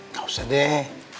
gak usah deh